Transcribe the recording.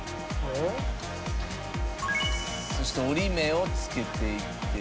そして折り目をつけていって。